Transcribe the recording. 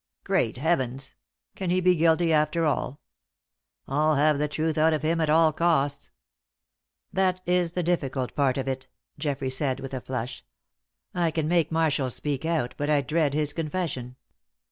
Great Heavens! Can he be guilty, after all? I'll have the truth out of him at all costs." "That is the difficult part of it," Geoffrey said, with a flush. "I can make Marshall speak out, but I dread his confession.